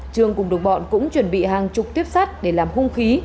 trương cùng độc bọn cũng chuẩn bị hàng chục tiếp sát để làm hung khí